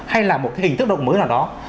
hay là một cái hình thức động mới nào đó